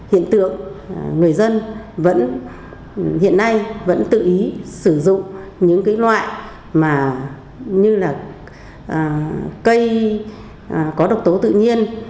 hiện tượng người dân hiện nay vẫn tự ý sử dụng những loại như cây có độc tố tự nhiên